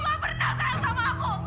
kau nggak pernah sayang sama aku